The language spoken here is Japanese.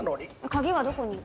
鍵はどこに？